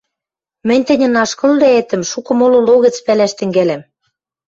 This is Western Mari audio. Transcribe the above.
Мӹнь тӹньӹн ашкылвлӓэтӹм шукы молы логӹц пӓлӓш тӹнгӓлӓм.